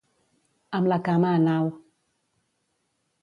Amb la cama en alt.